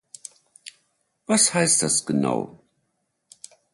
Was heißt das genau?